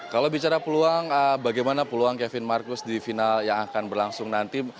kalau bicara peluang bagaimana peluang kevin marcus di final yang akan berlangsung nanti